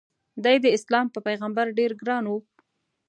د ی داسلام په پیغمبر ډېر ګران و.